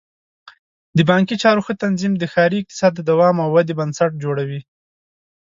د بانکي چارو ښه تنظیم د ښاري اقتصاد د دوام او ودې بنسټ جوړوي.